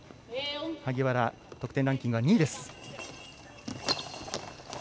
萩原、得点ランキングは２位。